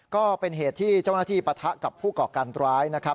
ก็เป็นเหตุที่เจ้าหน้าที่ปะทะกับผู้ก่อการร้ายนะครับ